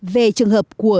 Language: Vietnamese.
về trường hợp của